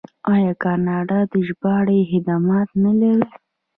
آیا کاناډا د ژباړې خدمات نلري؟